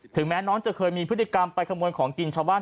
แม้น้องจะเคยมีพฤติกรรมไปขโมยของกินชาวบ้าน